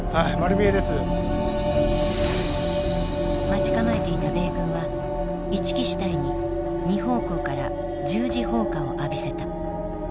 待ち構えていた米軍は一木支隊に２方向から十字砲火を浴びせた。